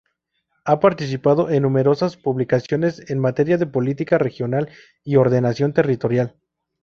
Ha participado en numerosas publicaciones en materia de política regional y ordenación territorial.